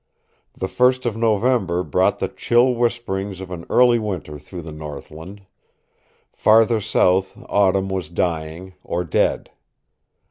The first of November brought the chill whisperings of an early winter through the Northland. Farther south autumn was dying, or dead.